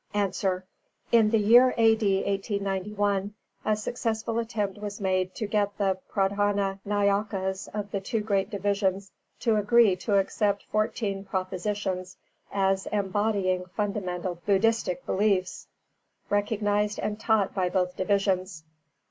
_ A. In the year A.D. 1891, a successful attempt was made to get the Pradhāna Nayakas of the two great divisions to agree to accept fourteen propositions as embodying fundamental Buddhistic beliefs recognised and taught by both divisions.